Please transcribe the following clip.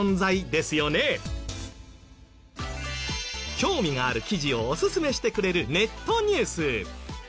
興味がある記事をおすすめしてくれるネットニュース。